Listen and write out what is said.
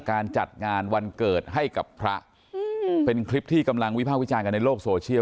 การจัดงานวันเกิดให้กับพระอืมเป็นคลิปที่กำลังวิภาควิจารณ์กันในโลกโซเชียล